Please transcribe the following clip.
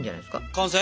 完成？